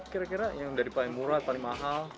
kira kira yang dari paling murah paling mahal